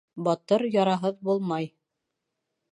Батыр яраһыҙ булмай.